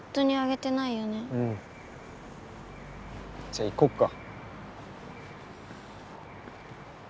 じゃあ行こっか。